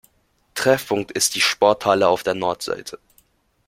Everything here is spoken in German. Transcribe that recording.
Treffpunkt ist die Sporthalle auf der Nordseite.